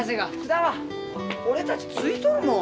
俺たちついとるもん。